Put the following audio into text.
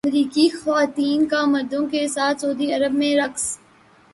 امریکی خواتین کا مردوں کے ساتھ سعودی عرب میں رقص